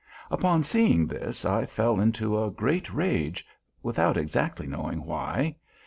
Upon seeing this I fell into a great rage, without exactly knowing why.